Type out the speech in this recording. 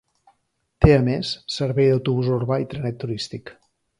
Té a més servei d'autobús urbà i trenet turístic.